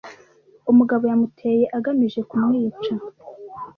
Umugabo yamuteye agamije kumwica.